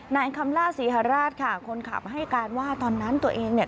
นายคำล่าศรีฮราชค่ะคนขับให้การว่าตอนนั้นตัวเองเนี่ย